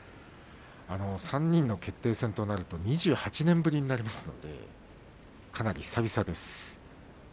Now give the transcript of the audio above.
３人の決定戦となると２８年ぶりとなりますのでかなり久々です。